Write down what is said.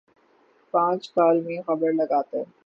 پانچ کالمی خبر لگاتے۔